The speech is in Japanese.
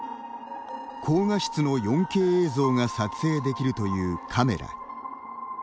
高画質の４Ｋ映像が撮影できるというカメラ。